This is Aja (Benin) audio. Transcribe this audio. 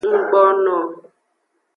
Nggbono.